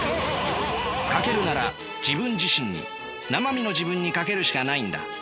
賭けるなら自分自身になま身の自分に賭けるしかないんだ。